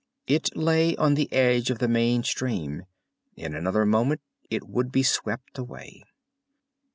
It lay on the edge of the main stream. In another moment it would be swept away.